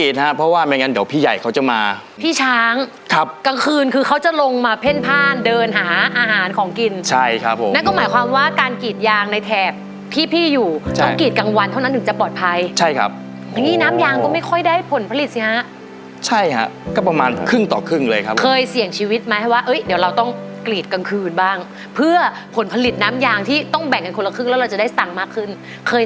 สบายครับคุณพ่อบอกแล้วว่าสบายเพราะว่าคุณชื่อเบิร์ตค่ะเบิร์ตต้องสบาย